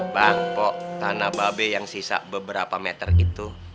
bang pok tanah babe yang sisa beberapa meter itu